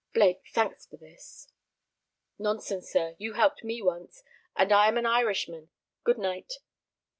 "Blake, thanks for this." "Nonsense, sir; you helped me once, and I am an Irishman. Good night."